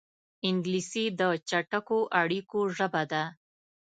انګلیسي د چټکو اړیکو ژبه ده